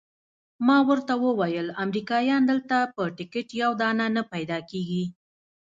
ما ورته وویل امریکایان دلته په ټکټ یو دانه نه پیدا کیږي.